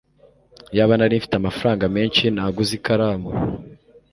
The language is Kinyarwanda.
Iyaba nari mfite amafaranga menshi, naguze ikaramu.